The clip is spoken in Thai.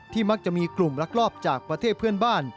มักจะมีกลุ่มรักรอบจากประเทศเพื่อนบ้าน